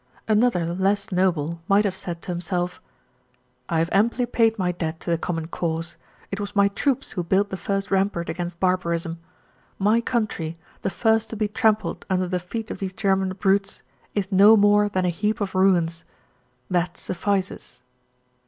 Another less noble, might have said to himself: "I have amply paid my debt to the common cause; it was my troops who built the first rampart against barbarism. My country, the first to be trampled under the feet of these German brutes, is no more than a heap of ruins. That suffices."